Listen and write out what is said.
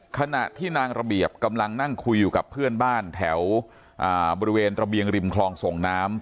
ขณะที่นางระเบียบกำลังนั่งคุยอยู่กับเพื่อนบ้านแถวบริเวณระเบียงริมคลองส่งน้ำ